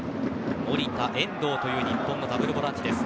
守田、遠藤という日本のダブルボランチです。